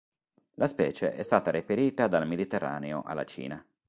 La specie è stata reperita dal Mediterraneo alla Cina.